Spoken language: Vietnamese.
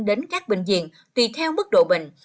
đến các bệnh viện tùy theo mức độ bệnh